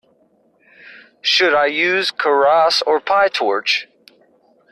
Should I use Keras or Pytorch?